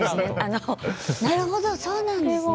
なるほどそうなんですね。